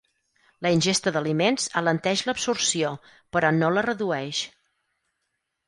La ingesta d'aliments alenteix l'absorció, però no la redueix.